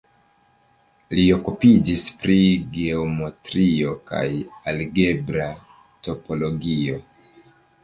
Li okupiĝis pri geometrio kaj algebra topologio.